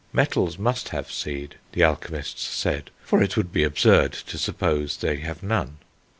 Metals must have seed, the alchemists said, for it would be absurd to suppose they have none.